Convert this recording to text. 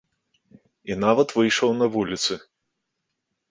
І нават выйшаў на вуліцы.